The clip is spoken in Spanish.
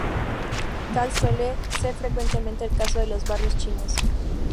Tal suele ser frecuentemente el caso de los barrios chinos.